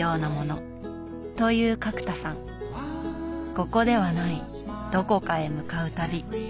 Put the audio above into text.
ここではないどこかへ向かう旅。